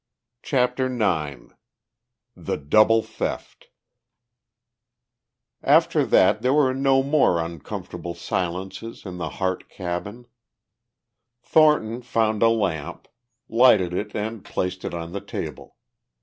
CHAPTER IX THE DOUBLE THEFT After that there were no more uncomfortable silences in the Harte cabin. Thornton found a lamp, lighted it and placed it on the table.